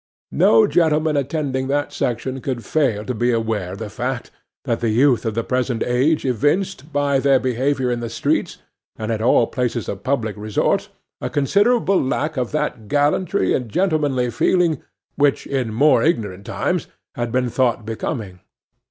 No gentleman attending that section could fail to be aware of the fact that the youth of the present age evinced, by their behaviour in the streets, and at all places of public resort, a considerable lack of that gallantry and gentlemanly feeling which, in more ignorant times, had been thought becoming.